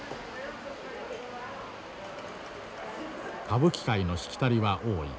歌舞伎界のしきたりは多い。